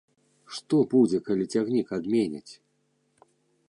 Што будзе, калі цягнік адменяць?